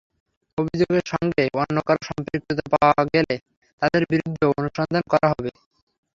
অভিযোগের সঙ্গে অন্য কারও সম্পৃক্ততা পাওয়া গেলে তাঁদের বিরুদ্ধেও অনুসন্ধান করা হবে।